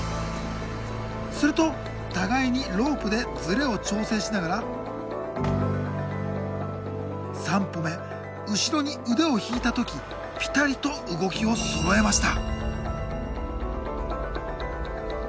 すると互いにロープでズレを調整しながら３歩目後ろに腕を引いた時ピタリと動きをそろえました。